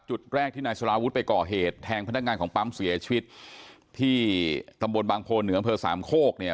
จุดแรกที่นายสลาวุฒิไปก่อเหตุแทงพนักงานของปั๊มเสียชีวิตที่ตำบลบางโพเหนืออำเภอสามโคกเนี่ย